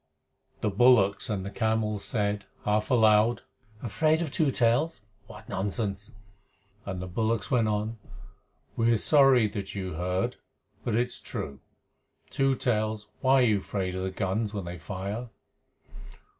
The bullocks and the camel said, half aloud, "Afraid of Two Tails what nonsense!" And the bullocks went on, "We are sorry that you heard, but it is true. Two Tails, why are you afraid of the guns when they fire?"